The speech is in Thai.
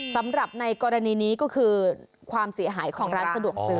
สำหรับในกรณีนี้ก็คือความเสียหายของร้านสะดวกซื้อ